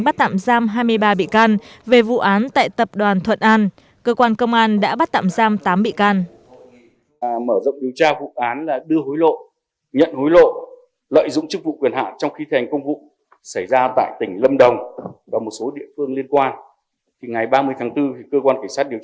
bắt tạm giam hai mươi ba bị can về vụ án tại tập đoàn thuận an cơ quan công an đã bắt tạm giam tám bị can